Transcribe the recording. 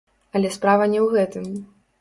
Але справа не ў гэтым.